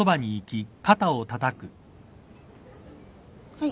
はい。